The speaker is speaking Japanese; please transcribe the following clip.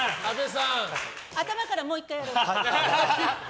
頭からもう１回やろうか。